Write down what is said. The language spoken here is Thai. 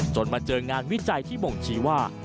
มาเจองานวิจัยที่บ่งชี้ว่า